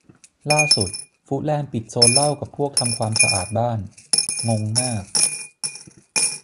ล่าสุดฟูดแลนด์ปิดโซนเหล้ากับพวกทำความสะอาดบ้าน งงมาก